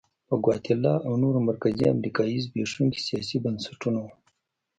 په ګواتیلا او نورو مرکزي امریکا کې زبېښونکي سیاسي بنسټونه وو.